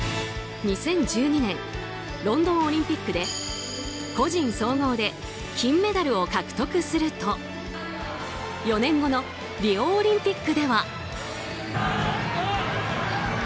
２０１２年ロンドンオリンピックで個人総合で金メダルを獲得すると４年後のリオオリンピックでは。